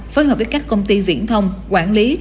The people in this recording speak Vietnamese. phối hợp với các công ty viễn thông quản lý